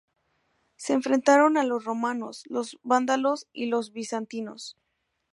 Se enfrentaron a los romanos, los vándalos y los bizantinos.